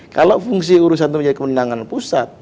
kalau fungsi urusan itu menjadi kemenangan pusat